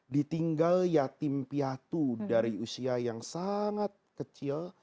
ditinggal yatim piatu dari usia yang sangat kecil